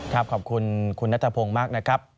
ขอบคุณคุณนัทพงศ์มากนะครับ